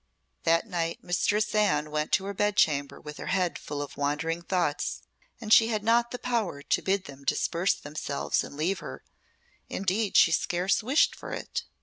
That night Mistress Anne went to her bed chamber with her head full of wandering thoughts, and she had not the power to bid them disperse themselves and leave her indeed, she scarce wished for it.